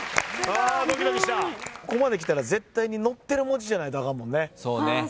ここまで来たら絶対に載ってる文字じゃないとあかんもんね。